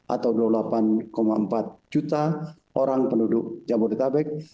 atau dua puluh delapan empat juta orang penduduk jabodetabek